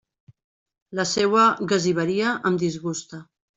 La seua gasiveria em disgusta.